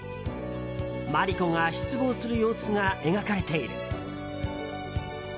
真理子が失望する様子が描かれている。